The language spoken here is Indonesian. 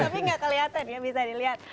tapi nggak kelihatan ya bisa dilihat